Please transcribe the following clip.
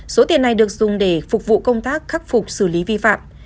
số tiền này được dùng để phục vụ công tác khắc phục xử lý vi phạm